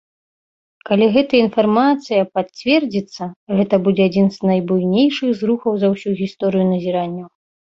Калі гэтая інфармацыя пацвердзіцца, гэтае будзе адзін з найбуйнейшых зрухаў за ўсю гісторыю назіранняў.